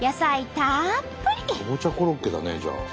かぼちゃコロッケだねじゃあ。